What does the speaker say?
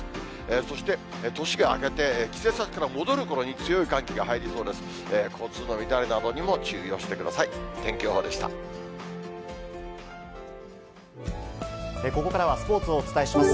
そして、年が明けて、帰省先から戻るころに強い寒気が入りそうです。